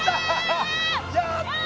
やった！